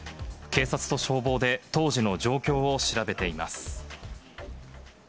警察と消防で当時の状況を調べています。